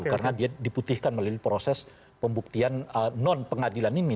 karena dia diputihkan melalui proses pembuktian non pengadilan ini